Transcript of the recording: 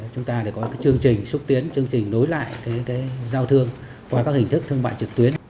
chúng ta để có cái chương trình xúc tiến chương trình đối lại cái giao thương qua các hình thức thương mại trực tuyến